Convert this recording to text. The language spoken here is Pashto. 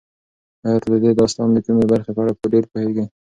ایا ته د دې داستان د کومې برخې په اړه ډېر پوهېږې؟